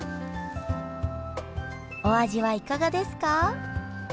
お味はいかがですか？